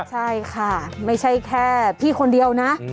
ใช่ค่ะไม่ใช่แค่พี่คนเดียวนะ